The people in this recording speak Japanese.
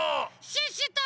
シュッシュと。